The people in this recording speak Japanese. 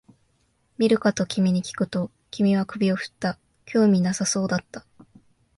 見るかと君にきくと、君は首を振った、興味なさそうだった